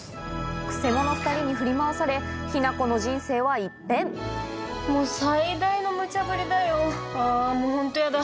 くせ者２人に振り回され雛子の人生は一変もう最大のムチャブリだよあもうホントヤダ。